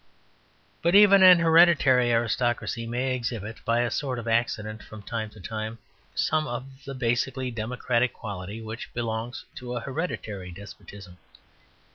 But even an hereditary aristocracy may exhibit, by a sort of accident, from time to time some of the basically democratic quality which belongs to a hereditary despotism.